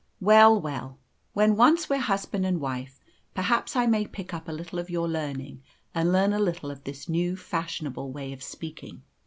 Well, well: when once we're husband and wife, perhaps I may pick up a little of your learning, and learn a little of this new, fashionable way of speaking.